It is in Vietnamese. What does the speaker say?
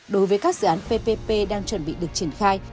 đối với các dự án ppp đang chuẩn bị được triển khai